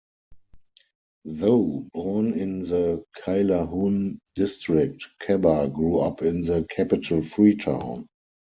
Though born in the Kailahun District, Kabbah grew up in the capital Freetown.